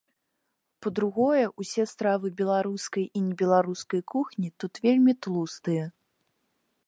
Па-другое, усе стравы беларускай і небеларускай кухні тут вельмі тлустыя.